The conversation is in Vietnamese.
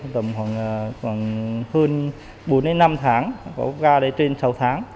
tầm khoảng hơn bốn năm tháng có ra đến trên sáu tháng